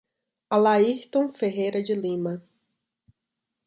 Alairton Ferreira de Lima